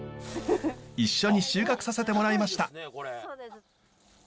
一緒に収穫させてもらいました！